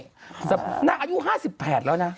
แต่นางอายุ๕๘แล้วนะ